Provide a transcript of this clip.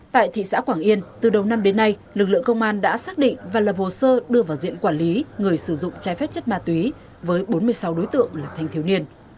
tại thị xã quảng yên từ đầu năm đến nay lực lượng công an đã xác định và lập hồ sơ đưa vào diện quản lý người sử dụng trái phép chất ma túy với bốn mươi sáu đối tượng là thanh thiếu niên